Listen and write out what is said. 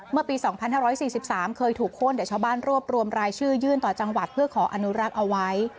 เมื่อปี๒๕๔๓เคยถูกโค้นแต่ชาวบ้านรวบรวมรายชื่อยื่นต่อจังหวัดเพื่อขออนุรักษ์เอาไว้